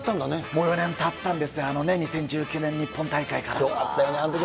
もう４年たったんですよ、あの２０１９年日本大会から。